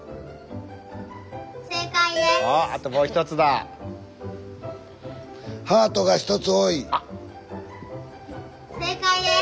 正解です！